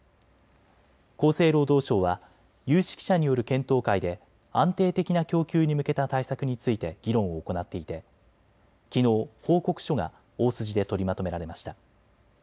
厚生労働省は有識者による検討会で安定的な供給に向けた対策について議論を行っていてきのう報告書が大筋で取りまとめられました。